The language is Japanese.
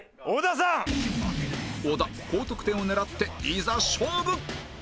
小田高得点を狙っていざ勝負！